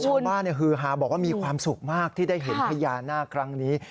ฮือฮาบอกว่ามีความสุขมากที่ได้เห็นพญานาคครั้งนี้